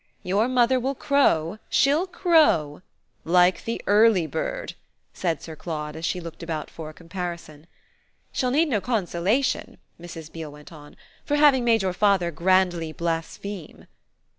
"Your mother will crow, she'll crow " "Like the early bird!" said Sir Claude as she looked about for a comparison. "She'll need no consolation," Mrs. Beale went on, "for having made your father grandly blaspheme."